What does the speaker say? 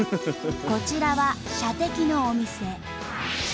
こちらは射的のお店。